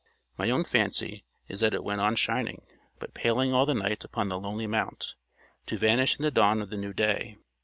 My own fancy is that it went on shining but paling all the night upon the lonely mount, to vanish in the dawn of the new day.